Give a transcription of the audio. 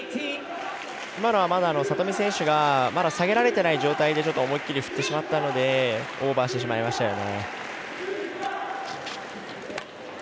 今のは里見選手がまだ下げられてない状態で思い切り振ってしまったのでオーバーしてしまいましたよね。